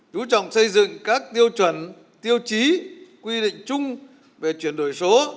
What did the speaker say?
chú trọng xây dựng các tiêu chuẩn tiêu chí quy định chung về chuyển đổi số